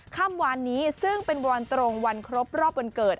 เมื่อวานนี้ซึ่งเป็นวันตรงวันครบรอบวันเกิด